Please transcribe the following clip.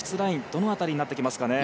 どの辺りになってきますかね。